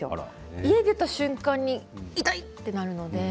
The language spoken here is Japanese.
家出た瞬間に、痛いとなるので。